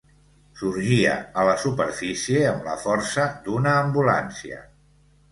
Sorgia a la superfície amb la força d'una ambulància.